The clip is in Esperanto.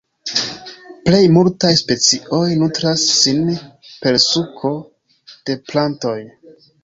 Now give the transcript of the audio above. Plej multaj specioj nutras sin per suko de plantoj.